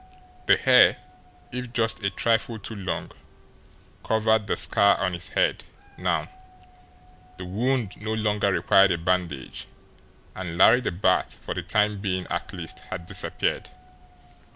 The hair, if just a trifle too long, covered the scar on his head now, the wound no longer required a bandage, and Larry the Bat, for the time being at least, had disappeared.